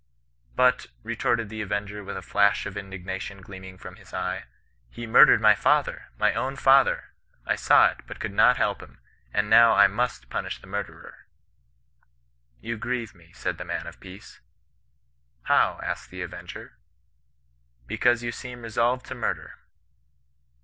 * But,' retorted the avenger with a flash of indignation gleaming from his eye, * he murdered my father, my own father ! I saw it, but could not help him; and now I must punish the murderer.' — 'You grieve me,' said the man of peace. ' How Y asked the avenger. 'Because you seem resolved to murder.'